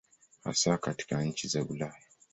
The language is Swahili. Hasa katika nchi za Ulaya.